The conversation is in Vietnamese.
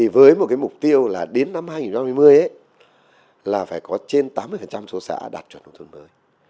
với một mục tiêu là đến năm hai nghìn hai mươi là phải có trên tám mươi số xã đạt chuẩn nông thôn mới